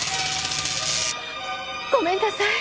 ごめんなさい！